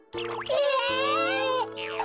え！？